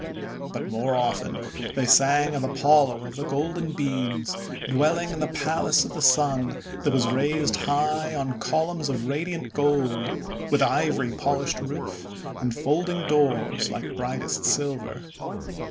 But more often they sang of Apollo of the Golden Beams, dwelling in the Palace of the Sun that was raised high on columns of radiant gold, with ivory polished roof, and folding doors like brightest silver.